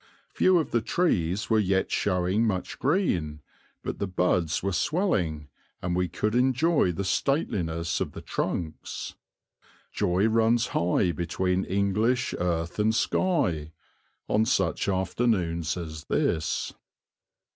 Few of the trees were yet showing much green, but the buds were swelling and we could enjoy the stateliness of the trunks. "Joy runs high, between English earth and sky" on such afternoons as this.